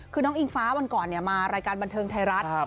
คือน้องอิงฟ้าวันก่อนมารายการบันเทิงไทยรัฐ